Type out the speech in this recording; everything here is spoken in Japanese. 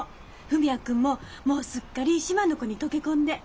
文也君もすっかり島の子に溶け込んで。